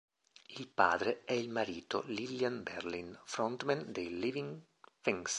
Il padre è il marito Lillian Berlin, frontman dei Living Things.